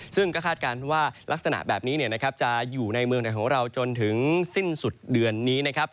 ซึ่งก็คาดการณ์ว่ารักษณะแบบนี้จะอยู่ในเมืองไทยของเราจนถึงสิ้นสุดเดือนนี้นะครับ